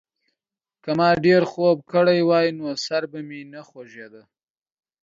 که ما ډېر خوب کړی وای، نو سر به مې نه خوږېده.